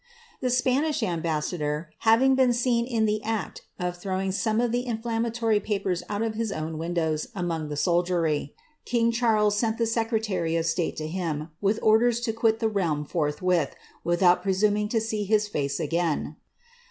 The Spanish ambassador having been seen in the act of throwing : some of the inflammatory papers out of his own windows among the soldiery, king Charles sent the secretary of state to him, with onlen to ; quit the realm forthwith, without presuming to see his fiice again.